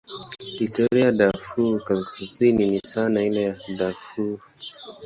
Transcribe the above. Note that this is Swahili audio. Historia ya Darfur Kaskazini ni sawa na ile ya Darfur.